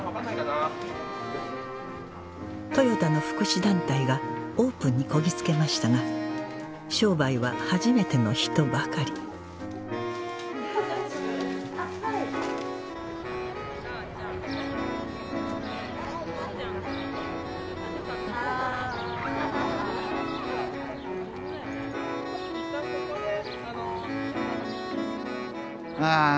豊田の福祉団体がオープンにこぎ着けましたが商売は初めての人ばかりあぁ